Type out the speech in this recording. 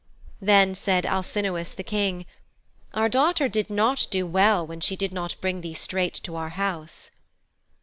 Then said Alcinous the King, 'Our daughter did not do well when she did not bring thee straight to our house.'